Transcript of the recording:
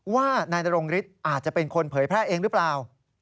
ว่านายนรงฤทธิ์อาจจะเป็นคนเผยแพร่เองหรือเปล่า